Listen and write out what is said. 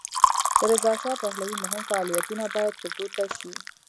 د رضاشاه پهلوي مهم فعالیتونه باید په ګوته شي.